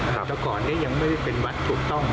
เจ้าก่อนเนี่ยยังไม่เป็นวัดถูกต้อง